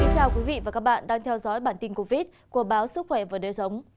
chào mừng quý vị đến với bản tin covid của báo sức khỏe và đời sống